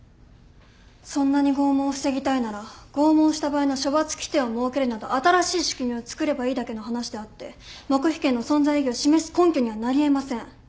そんなに拷問を防ぎたいなら拷問した場合の処罰規定を設けるなど新しい仕組みを作ればいいだけの話であって黙秘権の存在意義を示す根拠にはなり得ません。